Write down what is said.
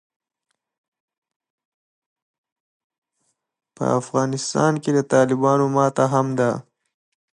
په افغانستان کې د طالبانو ماته هم ده.